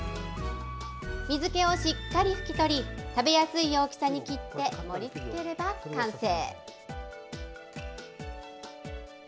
水けをしっかりふき取り、食べやすい大きさに切って盛りつければ完成。